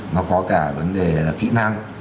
nó có cả vấn đề kỹ năng